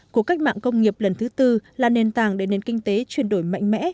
cuộc cách mạng công nghiệp lần thứ tư là nền tảng để nền kinh tế chuyển đổi mạnh mẽ